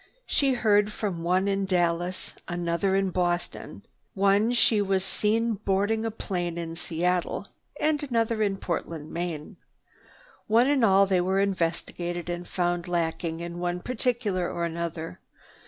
She heard from one in Dallas, another in Boston. One was seen boarding a plane in Seattle and another in Portland, Maine. One and all were investigated and found lacking in one particular or another.